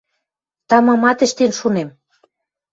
Тамамат ӹштен шунем.